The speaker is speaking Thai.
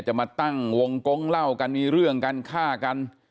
จะมาตั้งวงกงเล่ากันมีเรื่องกันฆ่ากัน